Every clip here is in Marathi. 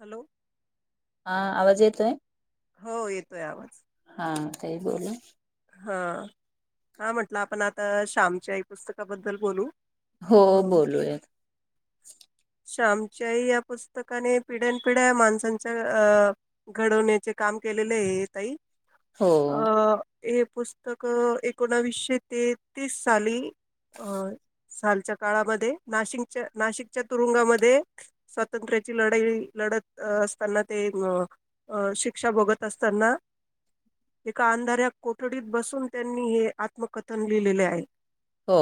हॅलो. हा आवाज येतोय? हो येतोय आवाज. ताई बोला. हा, हा म्हटलं आपण आता, श्यामच्याई पुस्तकाबद्दल बोलू. हो अ बोलूया. शमच्याही या पुस्तकाने पिढ्यानपिढ्या माणसांच्या अ घडवण्याचे काम के केलेले आहे ताई हो अ. हे पुस्तक एकोणविसशे ते तीस साली अं. सालच्या काळामध्ये नाशिकच्या-नाशिकच्या तुरुंगामध्ये स्वातंत्र्याची लढाई लढत असताना ते शिक्षा भोगत असताना. एका अंधाऱ्या कोठडीत बसून त्यांनी हे आत्मकथन लिहिलेले आहे. हो.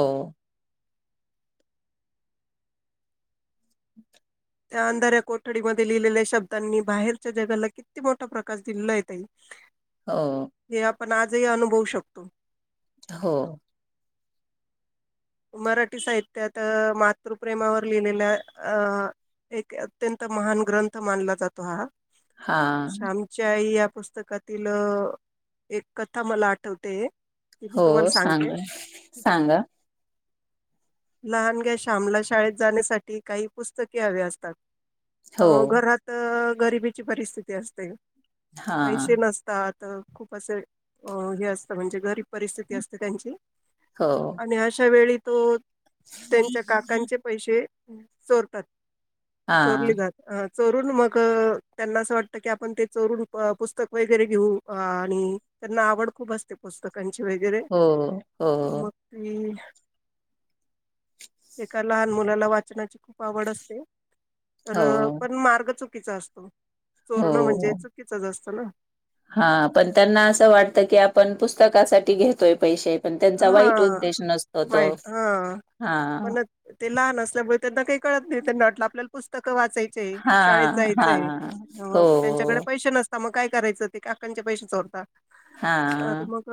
त्या अंधाऱ्या कोठडीमध्ये लिहिलेल्या शब्दांनी बाहेरच्या जगाला किती मोठा प्रकाश दिलाला ताई. हो. पण आजही अनुभवू शकतो. हो. मराठी साहित्यात मातृप्रेमावर लिहिलेल्या अं. एक अत्यंत महान ग्रंथ मानला जातो हा, हा श्यामची आई. पुस्तकातील एक कथा मला आठवते. ती मी हो तुम्हाला सांगते. सांगा सांगा लहानग्या श्यामला शाळेत जाण्यासाठी काही पुस्तके हवे असतात. हो अ घरात गरिबीची परिस्थिती असते, हा पैसे नसतात. तर खूप असं अ हे असतं, म्हणजे गरीब परिस्थिती असते त्यांची. हो आणि अशा वेळी तो, त्यांच्या काकांचे पैसे. चोरतात हा चोरली जात. चोरून मग त्यांना असं वाटतं, की आपण ते चोरून पुस्तक वगैरे घेऊ आणि त्यांना आवड खूप असते पुस्तकांची वगैरे, हो हो मग ती एका लहान मुलाला वाचनाची खूप आवड असते, तर हो पण मार्ग चुक चुकीचा असतो, चोरण म्हणजे हो चुकीच जास्त ना. हा पण त्यांना असं वाटत की, आपण पुस्तकासाठी घेतोय पैसे. पण हा त्यांचा वाईट उद्देश नसतो तो वाईट हा. हा पण ते लहान असल्यामुळे त्यांना काही कळत नाही, त्यांना वाटलं आपल्याला पुस्तक वाचायचय हा शाळेत हा जायचंय हो त्यांच्याकडे पैसे नसत मग काय करायचं ते, काकांच्या पैशा चोरतात हा अ मग.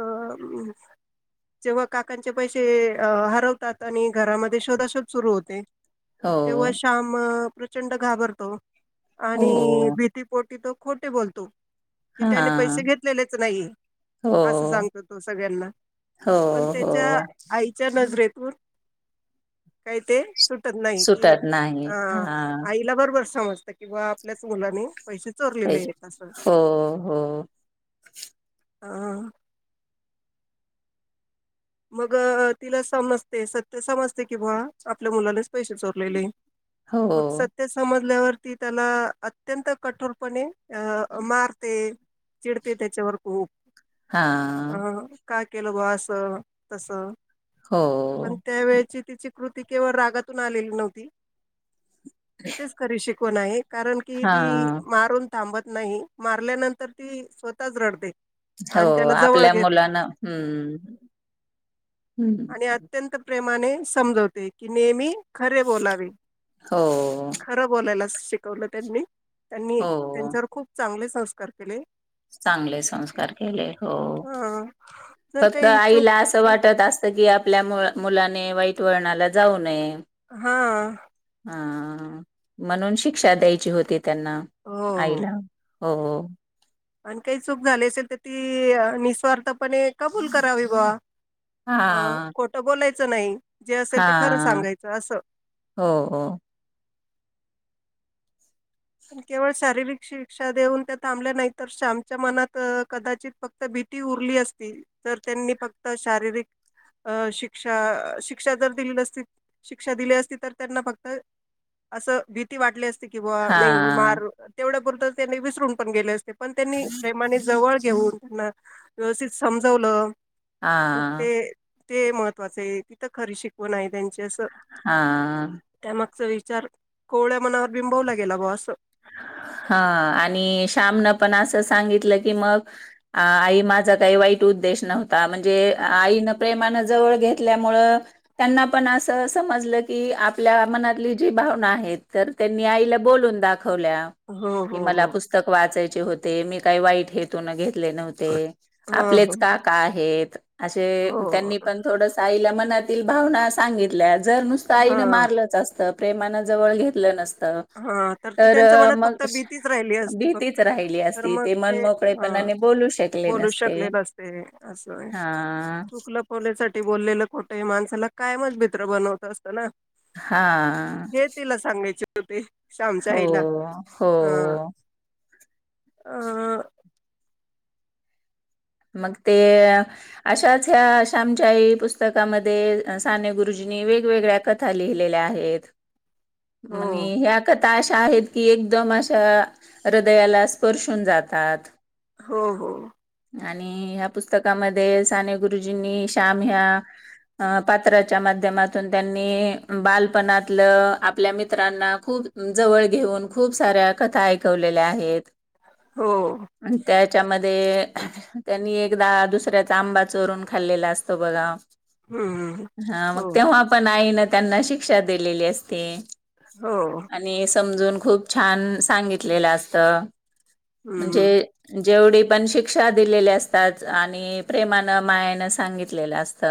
जेव्हा काकांचे पैसे हरवतात, आणि घरामध्ये शोधाशोध सुरू होते. तेव्हा हो श्याम प्रचंड घाबरतो, आणि हो भीती पोटी तो. खोटे बोलतो. कि त्याने हा पैसे घेतलेलेच नाही, असं हो सांगतो तो सगळ्यांना. हो पण त्याच्या हो. आईच्या नजरेतून काय ते. सुटत नाही, कि सुटत अ नाही. हां. आईला बरोबर समजत कि बुवा आपल्याच मुलाने पैसे पै चोरलेले आहेत अस. हो हो हा. मग तिला समजते, सत्य समजते, कि बुवा आपल्या मुलानेच पैसे चोरलेले. मग हो. सत्य समजल्यावरती त्याला अत्यंत कठोरपणे अ मारते, चिडते, तेच्यावर खूप. हा. अ का केलं बुवा अस तस हो. पण त्या वेळेची तिची कृती केवळ रागातून आलेली नव्हती, तिथेच खरी शिकवण आहे. कारण की ती हां. मारून थांबत नाही, मारल्यानंतर ती स्वतःच रडते. हो आणि त्याला जवळ आपल्या घेते मुलाना हम्म. आणि अत्यंत प्रेमाने समजवते की नेहमी खरे बोलावे हो खरं बोलायला शिकवलं त्यांनी त्यांनी हो. त्यांच्यावर खूप चांगले संस्कार केले. चांगले संस्कार केले हो अ जर फक्त काही चूक आईला असं वाटत असतं. की आपल्या मुलाने वाईट वळणाला जाऊ नये. हा ह म्हणून शिक्षा द्यायची होती त्यांना हो हो आईला हो हो आणि काही चूक झाली असेल तर ती निस्वार्थपणे कबूल करावी बा अ हां. खोटं बोलायचं नाही. जे असेल ते खरं हां. सांगायचं असं. हो. केवळ शारीरिक शिक्षा देऊन त्या थांबल्या नाही तर शामच्या मनात कदाचित फक्त भि अतर त्यांनी फक्त शारीरिक शिक्षा शिक्षा जर दिली नसती शिक्षा दि शिक्षा दिली असती तर त्यांना फक्त असं भीती वाटली असते की ब नाही हां. मार तेवढ्या पुरत त्यांनी विसरून पण गेले असते पण त्यांनी प्रेमाने जवळ घेऊन त्यांना व्यवस्थित समजवलं. हा मग ते ते महत्वाचं आहे तिथं खरी शिकवून आहे त्यांची. हा तो विचार कोवळ्या मनावर बिंबवला गेला बुवा असं. हा आणि श्यामन पण असं सांगितलं की मग आई माझा काही वाईट उ प्रश्न होता म्हणजे आईन प्रेमान जवळ घेतल्यामुळ त्यांना पण अस समजलं की आपल्या मनातली जी भावना आहे. त्कयांनी आईला बून दा हो हो मला हो की पुस्तक वाचायचे होते मी काही वाईट हेतून घेत. म्हटले नव्हते हा हा आपलेच काकाकअस त्यां हो पण थड भावना सांगितल्या जर नुसतं आईन हां, मारलंच असतं, प्रेमानं जवळ घेतलं नसत. हा तर ते त्यांच्या मनात फक्त भीतीच राहिली असती फक्त भीतीच राहिली तर असती मग ते मनमोकळेपणाने बोलू शकले बोल. करु नसते. शकले नसते अस होय हा चुकलपण साठी बोललेलं कुठं माणसाला कायमच मित्र बनवत असत ना. हा. होवटे [unintelligible] श्यामच्या हो आईला हो आ मग ते अशाच ह्या श्यामच्या आई पुस्तकामध्ये साने गुरुजी मी वेगवेगळ्या कथा लिहलेल्या आहेत हो, आणि ह्या कथामध्ये आता अशा आहेत की एकदम अशा हृदयाला स्पर्शून जातात. हो हो. आणि ह्या पुस्तकामध्ये साने गुरुजींनी श्याम ह्या अ पात्राच्या माध्यमातून त्यांनी बालपणातलं आपल्या मित्रांना खूप जवळ घेऊन खूप साऱ्या कथा ऐकवलेल्या आहेत. हो. आणि त्याच्यामध्ये त्यांनी एकदा दुसऱ्याचा आंबा चोरून खाल्लेला असतो बघा हं, हं. हा मग हो, तेव्हा पण आईन त्यांना शिक्षा दिलेली असते. हो. आणि समजून खूप छान सांगितलेल असत हं, म्हणजे हं. जेवढे पण शिक शिक्षा दिलेली असतात, आणि प्रेमान मायान सांगितलेलं असत.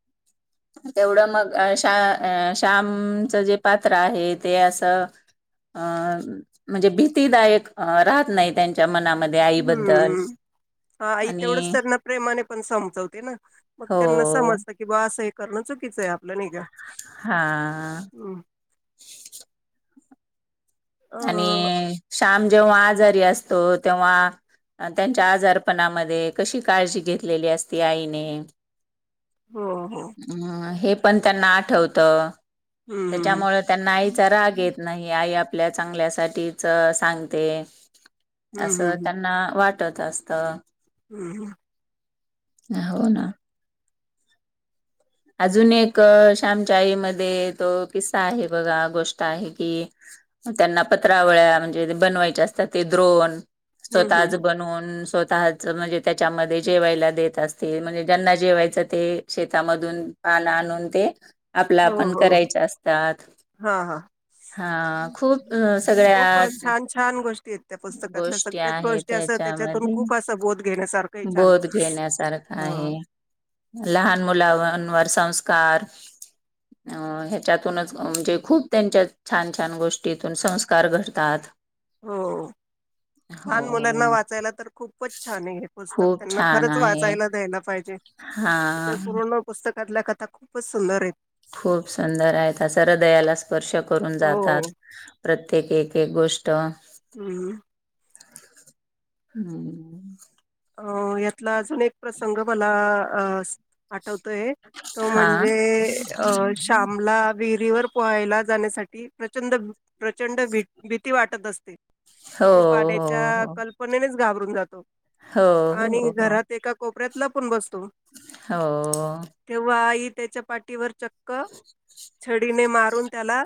ह [unintelligible] तेवढं मग अ, शा अ श्यामचं जे पात्र आहे ते असं अ म्हणजे भीतीदायक राहत नाही त्यांच्या मनामध्ये आईबद्दल हम्म. आई तेवढंच आणि त्यांना प्रेमाने पण समजवते ना. मग हो त्यांना समजत, की बा असं हे करणं चुकीचं आहे आपलं नाहीका. हा अ आणि श्याम जेव्हा आजारी असतो तेव्हा अ त्यांच्या आजारपणामध्ये कशी काळजी घेतलेली असती आईने. हो हो अम. हे पण त्यांना आठवतं. हम्म त्याच्यामुळे त्यांना आईचा राग येत नाही. आई आप आपल्या चांगल्यासाठीच अ सांगते, असं त्यांना वाट टत असतं. हम्म हम्म. हो ना. अजून एक अ श्यामच्या आई मध्ये तो किस्सा आहे बघा, गोष्ट आहे की म त्यांना पत्रावळ्या म्हणजे बनवायच्या असतात ते द्रोन स्वतःच हम्म बनवुन स्व तःच म्हणजे त्याच्यामध्ये जेवायला देत असती, म्हणजे ज्यांना जेवायचं ते शेतामध् धुन पान आणून ते आपलं हो आपण हो करायचे असतात. हां हां हा खूप खूप सगळ्या छान छान गोष्टी आहेत त्या पुस्तकातल्या गोष्टी सगळ्याच आहेत गोष्टी ते असं त्याच्यातून खूप असं बोध घेण्यासार बोध घेण्यासारखा आहे, लहान मुलाव‌ लांवर संस्कार अ ह्याच्यातूनच म्हणजे खूप त्यांच्यात छान छान गोष्टीतून संस्कार घडतात. हो, लहान मुलांना हो वाचायला तर खूपच छान आहे हे पु स्तक खूप त्यांना छान खरंच आहे. वाचायला द्यायला पाहिजे. हा. त्याच्या पूर्ण पुस्तकातल्या कथा खूपच सुंदर आहेत. खूप सुंदर आहे असं हृदयाला स्पर्श करून हो जातात, प्रत तेक एक एक गोष्ट हम्म. हम्म. अ यातला अजून एक प्रसंग मला अ स वा टवतोय, तो हा म्हणजे अ श्यामला विहिरीवर पोहायला जाण्यासाठी प्रचंड प्रचंड भी भीती वाटत असते. हो तो पाण्याच्या हो कल्पनेनेच घाबरून जातो. हो आणि हो हो घरात एका कोपऱ्यात लपून बसतो. हो. तेव्हा आई त्याच्या पाठीवर चक्क छडीने मारून त्याला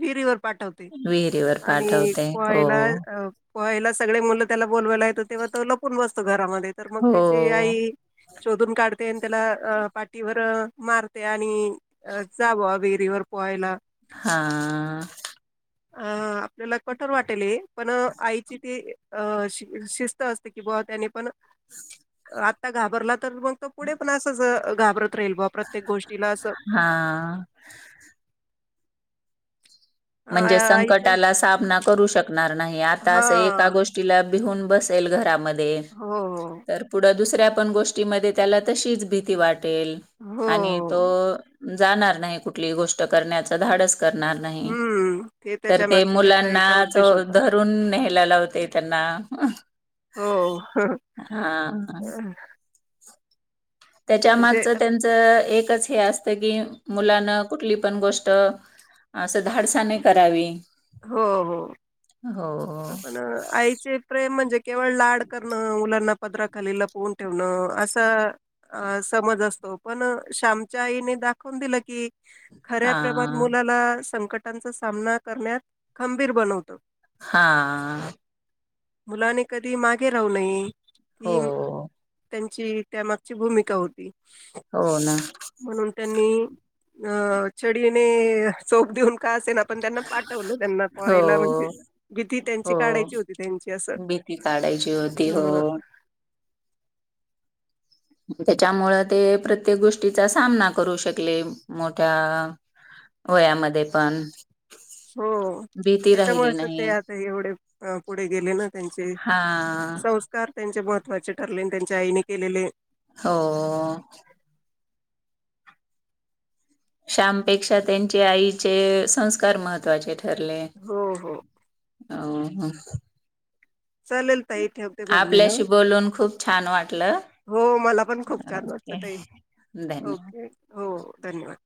विहिरीवर पाठवते, विहिरीवर आणि पाठवते. हो, पोहायला अ पोहायला सगळे मुलं त्याला बोलवायला येतो, तेव्हा तो लपून बसतो घरामध्ये तर मग हो. त्याची आई शोधून काढते अन त्याला अ पाठीवर मारते आणि जावा विहिरीवर पो पोयला. हा. अ आपल्याला कठोर वाटेल हे, पण अ आईची ती अ शि शिस्त अस ती की बवा त्यानी पण, आता घाबरला तर मग तो पुढे पण असच घाबर त राहील बा प्रत्येक गोष्टीला अस हां. म्हणजे संकटाला सामना करू शकणार नाही आता हा असं एका गोष्टीला भिऊन बसेल घरामध्ये, हो तर पुढं दुसऱ्या पण गोष्टीमध्ये त्याला तशीच भीती वाटेल हो आणि तो हो जाणार नाही कुठली गोष्ट करण्याचं धाडस करणार नाही. हम्म तर त्याच्या ते मागची त्याच्या आईचा मुलांनाच उद्देश होता. धरून न्ह्यायला लावते त्यांना. हो. हा. म्हणजे त्याच्या मागचं असं त्यांचं एकच हे असतं की मुलानं कुठली पण गोष ट असं धाडसाने करावी. हो हो, हो हो. पण आईचे प्रेम म्हणजे केवळ लाड करणं, मुलांना पदराखाली लपवून ठेवणं, असा समज अस तो पण अ श्यामच्या आईने दाखवून दिलं की खऱ्या प्रेमात हां मुलाला संकटांचा सामना करण्यात खंबीर बनवतं. हा. मुलानी कधी मागे राहू नये. हो. ही त्यांची त्यामागची भूमिका होती, हो ना म्हणून त्यांनी अ छडीने चोप देऊन का असेना पण त्यांना पाठ टवलं हो पोहायला म्हणजे. भीती त्यांची हो काढायची होती त्यांची असं भीती काढायची होती हो. ह. त्याच्यामुळं ते प्रत्येक गोष्टीचा सामना करू शकले, मोठ्या वयामध्ये पण. हो, भीती राहिली त्याच्यामुळेच तर ते नाही आता एवढे अ पुढे गेले ना त्यांचे हां संस्कार त्यांचे महत्त्वाचे ठरले अन् त्यांच्या आईने केलेले हो. श्यामपेक्षा त्यांचे आईचे संस्कार महत्वाचेत. हो हो. हो. चालेल. ताई ठेवते मग मी ह आपल्याशी बोलून खूप छान वाटलं. हो मला पण खूप छान वाटलं ओके ताई, धन्यवाद. ओके हो धन्यवाद.